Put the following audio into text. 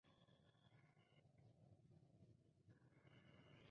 Desde aquella fecha, está dado y su estado ha sido fuertemente degradado.